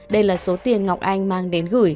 đây là số tiền ngọc anh mang đến gửi